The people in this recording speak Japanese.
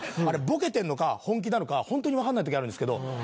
あれボケてるのか本気なのかホントに分かんない時あるんですけど。